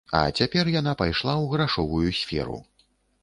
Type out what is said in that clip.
А цяпер яна пайшла ў грашовую сферу.